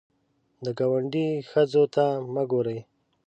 د ګاونډي ښځو ته مه ګورې